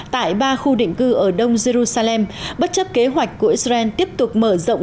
tại ba khu định cư ở đông jerusalem bất chấp kế hoạch của israel tiếp tục mở rộng